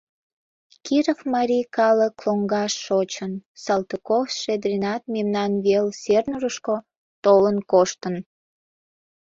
Киров марий калык лоҥгаш шочын, Салтыков-Щедринат мемнан вел Сернурышко толын коштын...